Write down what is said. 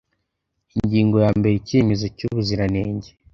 Ingingo ya mbere Icyemezo cy ubuziranenge